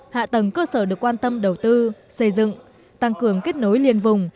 hạ tầng cơ sở được quan tâm đầu tư xây dựng tăng cường kết nối liên vùng